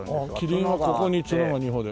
キリンがここに角が２本で。